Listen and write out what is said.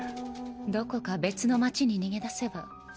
どこか別の町に逃げ出せば。